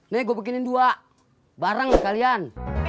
nih gue bikinin dua bareng lah kalian